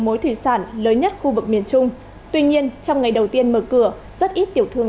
mối thủy sản lớn nhất khu vực miền trung tuy nhiên trong ngày đầu tiên mở cửa rất ít tiểu thương